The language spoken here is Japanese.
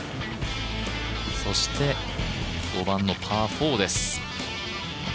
そして５番のパー４です。